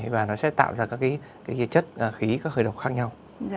và nó sẽ tạo ra các chất khí các hơi độc khác nhau